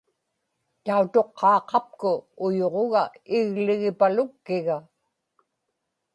tautuqqaaqapku uyuġuga igligipalukkiga